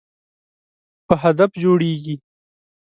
په هدف جوړیږي.